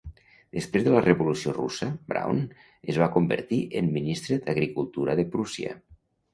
Després de la revolució russa, Braun es va convertir en Ministre d'Agricultura de Prússia.